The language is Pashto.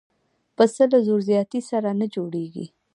پسه له زور زیاتي سره نه جوړېږي.